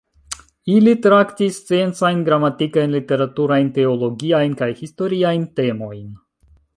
Ili traktis sciencajn, gramatikajn, literaturajn, teologiajn kaj historiajn temojn.